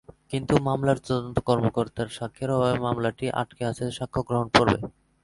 কিন্তু মামলার তদন্ত কর্মকর্তার সাক্ষ্যের অভাবে মামলাটি আটকে আছে সাক্ষ্যগ্রহণ পর্বে।